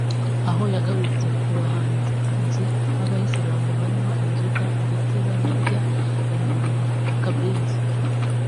aho yagarutse ku bahanzi baba Islam banywa inzoga ndetse banarya ingurube (akabenzi)